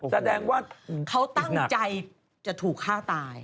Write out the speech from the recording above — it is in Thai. แสดงว่าเขาตั้งใจจะถูกฆ่าตาย